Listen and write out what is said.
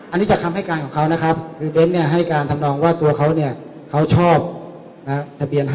อันนี้จากคำให้การของเขานะครับคือเบ้นเนี่ยให้การทำนองว่าตัวเขาเนี่ยเขาชอบทะเบียน๕